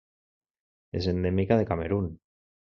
És endèmica de Camerun.